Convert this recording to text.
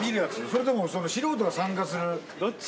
それとも素人が参加するどっち？